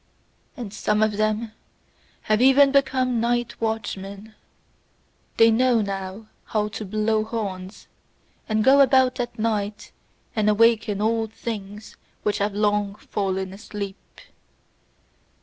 And some of them have even become night watchmen: they know now how to blow horns, and go about at night and awaken old things which have long fallen asleep.